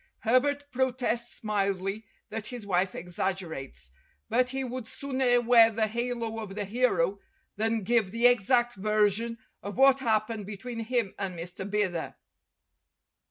Herbert protests mildly that his wife exaggerates. But he would sooner wear the halo of the hero than give the exact version of what happened between him and Mr. Bidder.